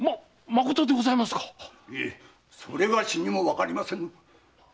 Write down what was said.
まことでございますか⁉いえそれがしにもわかりませぬ。